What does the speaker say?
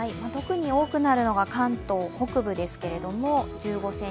特に多くなるのが関東北部ですけれども、１５ｃｍ。